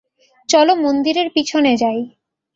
চলো মন্দিরের পিছনে যাই।